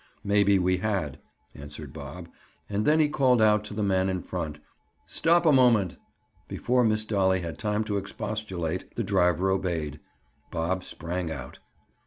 "Maybe we had," answered Bob. And then he called out to the man in front. "Stop a moment." Before Miss Dolly had time to expostulate, the driver obeyed. Bob sprang out.